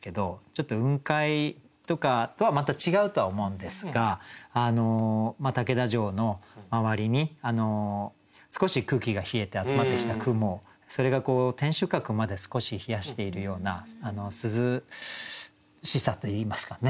ちょっと雲海とかとはまた違うとは思うんですが竹田城の周りに少し空気が冷えて集まってきた雲それが天守閣まで少し冷やしているような涼しさといいますかね。